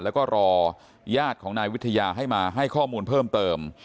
แล้วก็รอญาติของนายวิทยาให้มาให้ข้อมูลเพิ่มเติม